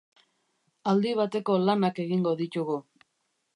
Aldi bateko lanak egingo ditugu.